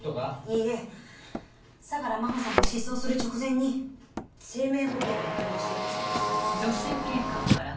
いいえ相良真帆さんが失踪する直前に生命保険に加入していたそうです。